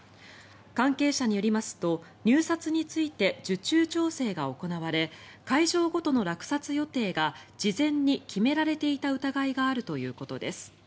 関係者によりますと入札について受注調整が行われ会場ごとの落札予定が事前に決められていた疑いがあるということです。